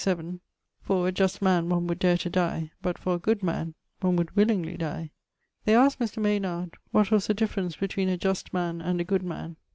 7) 'For a just man one would dare to die; but for a good man one would willingly die.' They askt Mr. Maynard what was the difference between a just man and a good man.